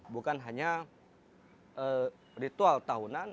bukan hanya ritual tahunan